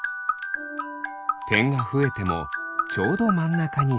てんがふえてもちょうどまんなかにせん。